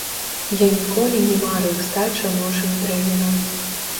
Я ніколі не марыў стаць жаночым трэнерам.